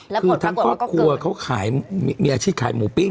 แล้วผลประกวดว่าก็เกิดคือท่านครอบครัวมีอาชีพขายหมูปิ้ง